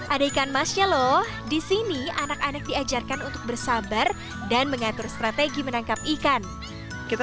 ada ikan masnya loh disini anak anak diajarkan untuk bersabar dan mengatur strategi menangkap ikan kita